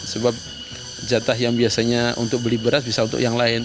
sebab jatah yang biasanya untuk beli beras bisa untuk yang lain